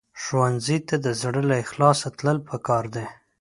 ښوونځی ته د زړه له اخلاصه تلل پکار دي